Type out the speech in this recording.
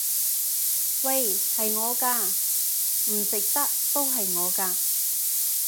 喂！係我㗎！唔食得都係我㗎！